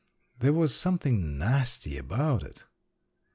there was something nasty about it!